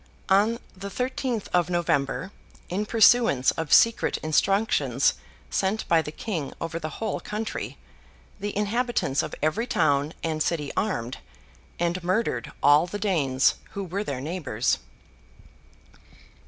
On the thirteenth of November, in pursuance of secret instructions sent by the King over the whole country, the inhabitants of every town and city armed, and murdered all the Danes who were their neighbours.